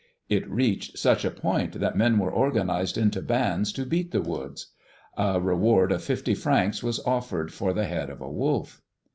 It reached such a point that men were organized into bands to beat the woods. A reward of fifty francs was offered for the head of a wolf.